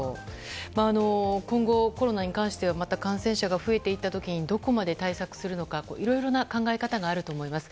今後、コロナに関してはまた感染者が増えていった時にどこまで対策するのかいろいろな考え方があると思います。